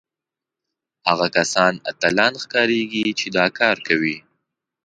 هغه کسان اتلان ښکارېږي چې دا کار کوي